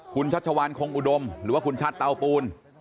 คุณชัชวานคงอุดมหรือว่าคุณชัดเตาปูน